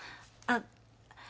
あっ。